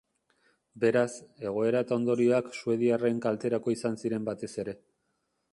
Beraz, egoera eta ondorioak suediarren kalterako izan ziren batez ere.